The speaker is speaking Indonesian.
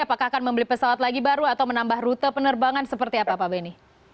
apakah akan membeli pesawat lagi baru atau menambah rute penerbangan seperti apa pak benny